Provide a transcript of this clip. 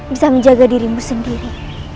bisa menjaga dirimu sendiri